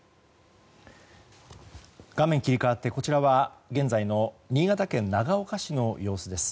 画面切り替わって現在の新潟県長岡市の様子です。